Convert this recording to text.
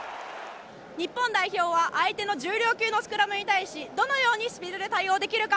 日本代表は相手の重量級のスクラムに対しどのようにスピードで対応できるか。